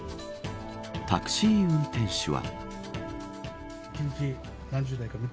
タクシー運転手は。